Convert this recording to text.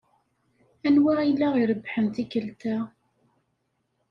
Anwa ay la irebbḥen tikkelt-a?